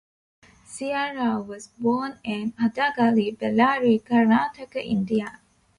C. R. Rao was born in Hadagali, Bellary, Karnataka, India.